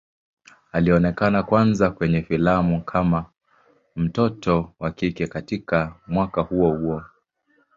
Alionekana kwanza kwenye filamu kama mtoto wa kike katika mwaka huo huo.